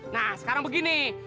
nah sekarang begini